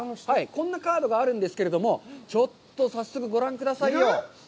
こんなカードがあるんですけれども、ちょっと早速ご覧くださいよ。